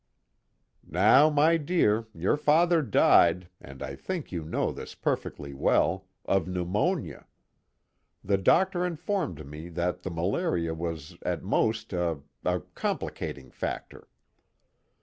"Now, my dear, your father died, and I think you know this perfectly well, of pneumonia. The doctor informed me that the malaria was at most a a complicating factor.